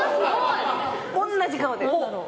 同じ顔で。